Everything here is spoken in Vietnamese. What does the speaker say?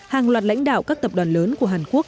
hàng loạt lãnh đạo các tập đoàn lớn của hàn quốc